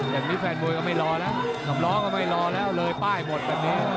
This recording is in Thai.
อย่างนี้แฟนมวยก็ไม่รอแล้วสำล้อก็ไม่รอแล้วเลยป้ายหมดแบบนี้